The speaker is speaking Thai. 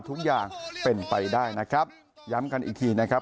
ทุกอย่างเป็นไปได้นะครับย้ำกันอีกทีนะครับ